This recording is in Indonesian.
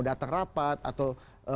datang rapat atau